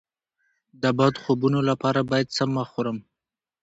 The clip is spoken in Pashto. د بد خوبونو لپاره باید څه مه خورم؟